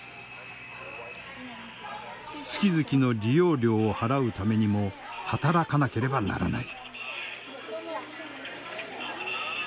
月々の利用料を払うためにも働かなければならない。